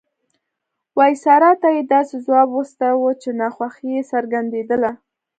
وایسرا ته یې داسې ځواب واستاوه چې ناخوښي یې څرګندېدله.